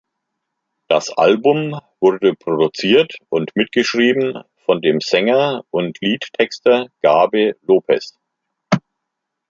Das Album wurde produziert und mitgeschrieben von dem Sänger und Liedtexter Gabe Lopez.